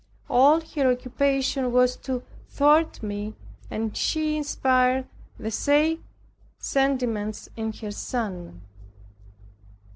All her occupation was to thwart me and she inspired the like sentiments in her son.